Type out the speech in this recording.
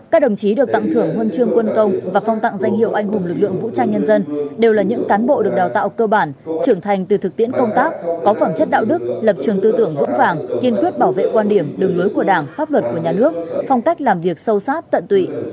các đồng chí được tặng thưởng huân chương quân công và phong tặng danh hiệu anh hùng lực lượng vũ trang nhân dân đều là những cán bộ được đào tạo cơ bản trưởng thành từ thực tiễn công tác có phẩm chất đạo đức lập trường tư tưởng vững vàng kiên quyết bảo vệ quan điểm đường lối của đảng pháp luật của nhà nước phong cách làm việc sâu sát tận tụy